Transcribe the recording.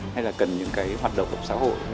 hay là cần những cái hoạt động của xã hội